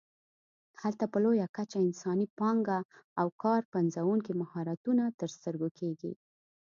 هلته په لویه کچه انساني پانګه او کار پنځوونکي مهارتونه تر سترګو کېږي.